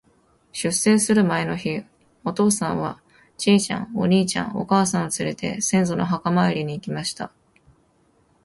出征する前の日、お父さんは、ちいちゃん、お兄ちゃん、お母さんをつれて、先祖の墓参りに行きました。